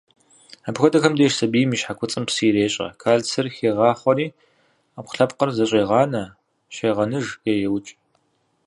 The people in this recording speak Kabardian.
Апхуэдэхэм деж сабийм и щхьэкуцӏым псы ирещӏэ, кальцийр хегъахъуэри, ӏэпкълъэпкъыр зэщӏегъанэ, щегъэныж е еукӏ.